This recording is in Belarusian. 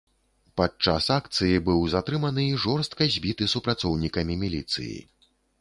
Падчас акцыі быў затрыманы і жорстка збіты супрацоўнікамі міліцыі.